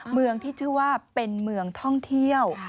เมืองที่ชื่อว่าเป็นเมืองท่องเที่ยว